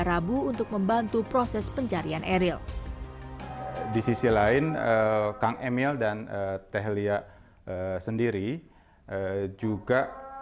rabu untuk membantu proses pencarian eril di sisi lain kang emil dan tehlia sendiri juga